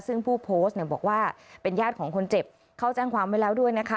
ซึ่งผู้โพสต์เนี่ยบอกว่าเป็นญาติของคนเจ็บเขาแจ้งความไว้แล้วด้วยนะคะ